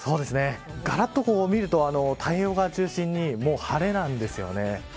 がらっと見ると太平洋側を中心に晴れなんですよね。